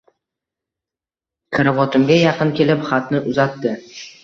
Karavotimga yaqin kelib, xatni uzatdi